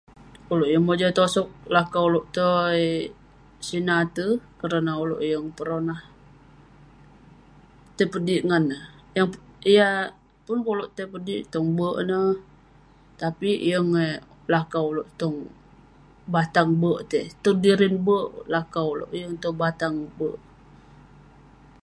Ulouk yeng mojam tosog lakau ulouk tai sineh ate, kerna ulouk yeng peronah, tai pe dik ngan neh, pun peh ulouk tai pe dik..tong berk ineh..tapik yeng eh lakau ulouk tong batang berk etey..tong dirin berk lakau ulouk, yeng tong batang berk..